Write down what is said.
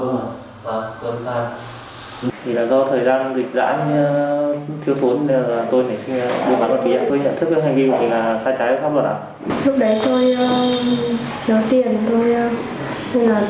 tôi nhận thức hành vi phạm tội là xa trái pháp luật